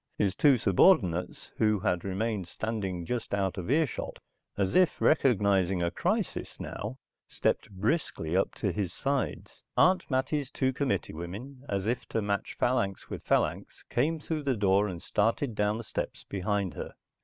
His two subordinates who had remained standing just out of earshot, as if recognizing a crisis now, stepped briskly up to his sides. Aunt Mattie's two committee women, as if to match phalanx with phalanx, came through the door and started down the steps behind her.